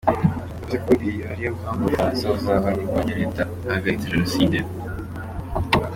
Yavuze ko iyi ariyo mpamvu u Bufaransa buzahora burwanya Leta yahagaritse Jenoside.